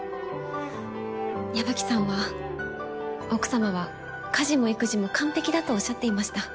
矢吹さんは奥様は家事も育児も完璧だとおっしゃっていました。